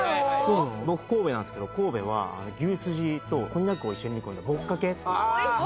僕神戸なんですけど神戸は牛すじとこんにゃくを一緒に煮込んだぼっかけっていう・おいしそ！